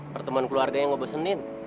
pertemanan keluarga yang ngebosenin